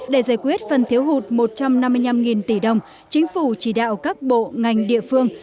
để giải quyết phần thiếu hụt một trăm năm mươi năm tỷ đồng chính phủ chỉ đạo các bộ ngành địa phương